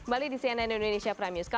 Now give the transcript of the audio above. kembali di cnn indonesia prime news